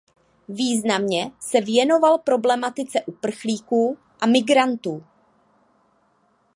Významně se věnoval problematice uprchlíků a migrantů.